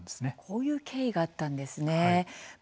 こういう経緯があったんですね。